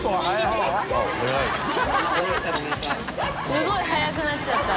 すごい速くなっちゃった。